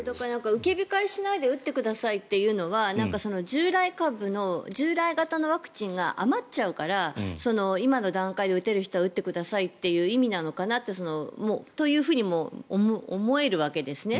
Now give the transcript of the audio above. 打ち控えしないで打ってくださいというのは従来型のワクチンが余っちゃうから今の段階で打てる人は打ってくださいという意味なのかなというふうにも思えるわけですね。